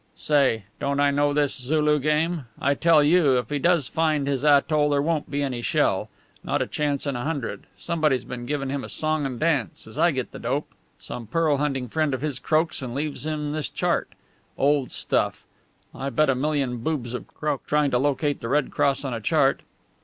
"Say, don't I know this Sulu game? I tell you, if he does find his atoll there won't be any shell. Not a chance in a hundred! Somebody's been giving him a song and dance. As I get the dope, some pearl hunting friend of his croaks and leaves him this chart. Old stuff! I bet a million boobs have croaked trying to locate the red cross on a chart."